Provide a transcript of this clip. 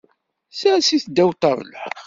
Sers-it ddaw ṭṭabla.